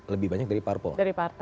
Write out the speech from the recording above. lebih banyak dari parpol